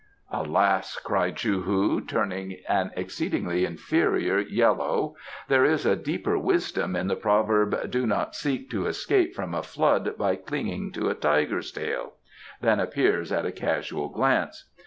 "Alas!" cried Chou hu, turning an exceedingly inferior yellow, "there is a deeper wisdom in the proverb, 'Do not seek to escape from a flood by clinging to a tiger's tail,' than appears at a casual glance.